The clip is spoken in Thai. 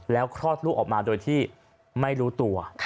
แล้วคลอดลูกออกมาโดยที่ไม่รู้ตัว